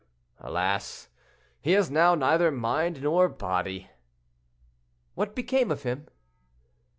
"Alas! he has now neither mind nor body."—"What became of him?"